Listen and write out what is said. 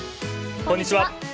こんにちは。